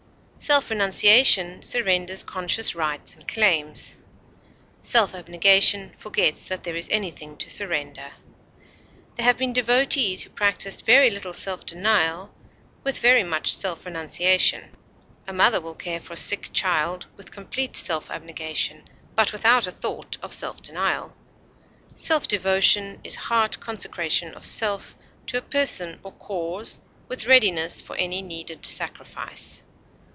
Self renunciation surrenders conscious rights and claims; self abnegation forgets that there is anything to surrender. There have been devotees who practised very little self denial with very much self renunciation. A mother will care for a sick child with complete self abnegation, but without a thought of self denial. Self devotion is heart consecration of self to a person or cause with readiness for any needed sacrifice.